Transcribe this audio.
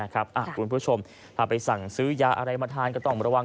คุณผู้ชมถ้าไปสั่งซื้อยาอะไรมาทานก็ต้องระวัง